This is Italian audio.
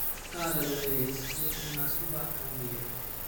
Ada Lovelace fu una sua allieva.